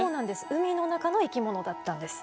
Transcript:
海の中の生き物だったんです。